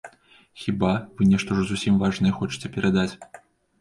Хіба, вы нешта ўжо зусім важнае хочаце перадаць.